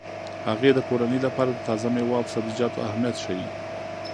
هغې د کورنۍ لپاره د تازه میوو او سبزیجاتو اهمیت ښيي.